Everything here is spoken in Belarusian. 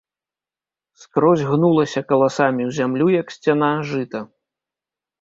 Скрозь гнулася каласамі ў зямлю, як сцяна, жыта.